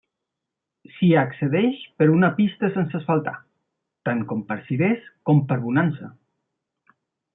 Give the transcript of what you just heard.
S'hi accedeix per una pista sense asfaltar, tant com per Sirès com per Bonansa.